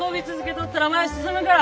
とったら前進むから。